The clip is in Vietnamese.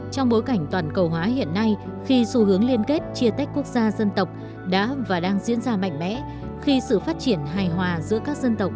trong bối cảnh toàn cầu hóa hiện nay khi xu hướng liên kết chia tách quốc gia dân tộc đã và đang diễn ra mạnh mẽ